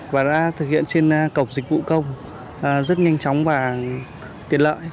và đã thực hiện trên cổng dịch vụ công rất nhanh chóng và tiện lợi